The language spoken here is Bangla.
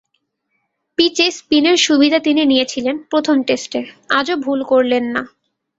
পিচে স্পিনের সুবিধা তিনি নিয়েছিলেন প্রথম টেস্টে, আজও ভুল করলেন না।